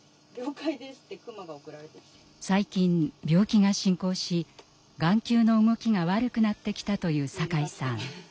最近病気が進行し眼球の動きが悪くなってきたという酒井さん。